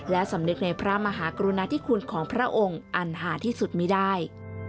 และสำนึกในพระมหากรุณาธิคุณของพระองค์อันหาที่สุดมีได้